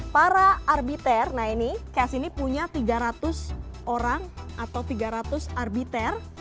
para arbiter nah ini cash ini punya tiga ratus orang atau tiga ratus arbiter